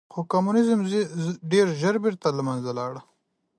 خو کمونیزم ډېر ژر بېرته له منځه لاړ.